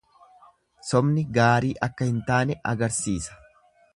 Sobni gaarii akka hin taane agarsiisa.